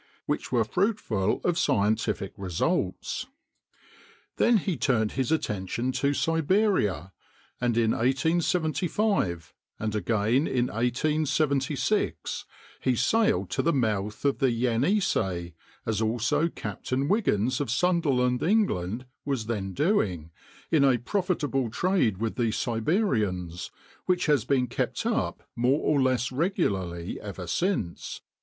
which were fruitful of scientific results. Then he turned his attention to Siberia; and in 1875 and again in 1876 he sailed to the mouth of the Yenisei, as also Captain Wiggins of Sunderland, England, was then doing, in a profitable trade with the Siberians, which has been kept up more or less regularly ever since.